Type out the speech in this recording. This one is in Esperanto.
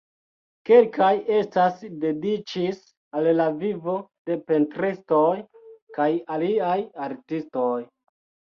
Kelkaj estas dediĉis al la vivo de pentristoj kaj aliaj artistoj.